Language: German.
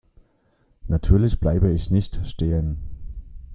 Natürlich bleibe ich nicht stehen.